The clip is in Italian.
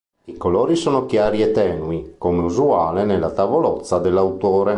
I colori sono chiari e tenui, come usuale nella tavolozza dell'autore.